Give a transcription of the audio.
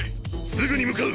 すぐに向かう！